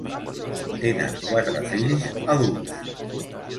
Tenen quatre fills adults.